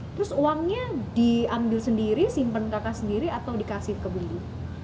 terus uangnya diambil sendiri simpen kakak sendiri atau dikasih ke bumbu